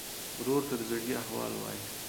ورور ته د زړګي احوال وایې.